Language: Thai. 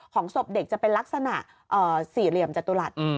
ศพเด็กจะเป็นลักษณะสี่เหลี่ยมจตุรัส